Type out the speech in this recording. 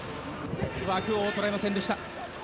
枠を捉えませんでした。